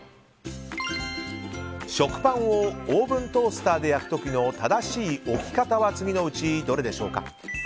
食パンをオーブントースターで焼く時の正しい置き方は次のうち、どれでしょうか。